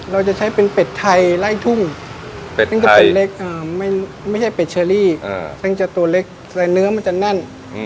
เราจะใช้เป็นเป็ดไทยไล่ทุ่งไม่ใช่เป็ดเชอรี่แสงจะตัวเล็กใส่เนื้อมันจะแน่น